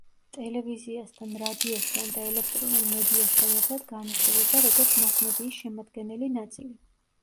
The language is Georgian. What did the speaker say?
ტელევიზიასთან, რადიოსთან და ელექტრონულ მედიასთან ერთად განიხილება, როგორც მასმედიის შემადგენელი ნაწილი.